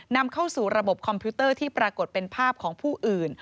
นำเข้าสู่ระบบคอมพิวเตอร์ที่ปรากฏเป็นภาพของผู้อื่น